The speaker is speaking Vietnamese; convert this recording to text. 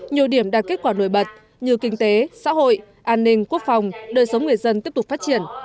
nhiều điểm đạt kết quả nổi bật như kinh tế xã hội an ninh quốc phòng đời sống người dân tiếp tục phát triển